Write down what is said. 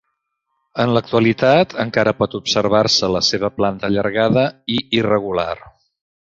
En l'actualitat encara pot observar-se la seva planta allargada i irregular.